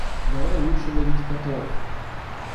Давай лучше ловить котов!